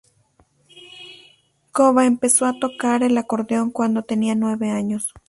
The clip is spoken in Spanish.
Coba empezó a tocar el acordeón cuando tenía nueve años.